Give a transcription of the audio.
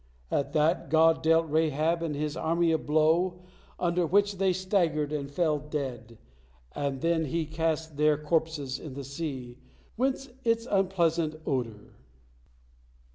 At that God dealt Rahab and his army a blow, under which they staggered and fell dead, and then He cast their corpses in the sea, whence its unpleasant odor.